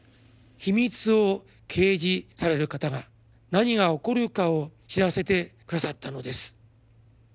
秘密を啓示される方が何が起こるかを知らせてくださったのです」。